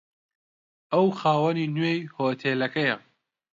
ئەو خاوەنی نوێی هۆتێلەکەیە.